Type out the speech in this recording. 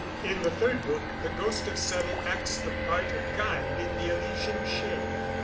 In the third book the ghost of Settle acts the part of guide in the Elysian shade.